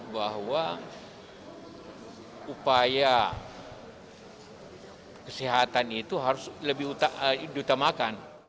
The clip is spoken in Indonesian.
bahwa upaya kesehatan itu harus lebih diutamakan